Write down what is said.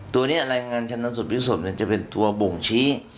ตัวนี้อลัยงานชันวดพระยุคศพก็จะเป็นตัวบ่งชี้